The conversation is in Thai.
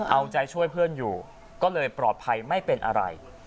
เอาใจช่วยเพื่อนอยู่ก็เลยปลอดภัยไม่เป็นอะไร